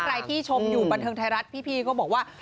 ใครที่ชมอยู่บันเทิงไทยรัฐพี่ก็บอกว่า